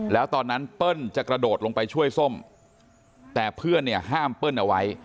แล้วตอนนั้นเปิ้ลจะกระโดดลงไปช่วยส้มแต่เพื่อนเนี่ยห้ามเปิ้ลเอาไว้